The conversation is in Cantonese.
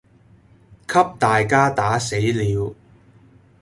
給大家打死了；